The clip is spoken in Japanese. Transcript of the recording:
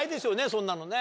そんなのね。